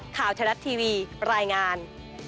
ข่าวชะลัดทีวีรายงาน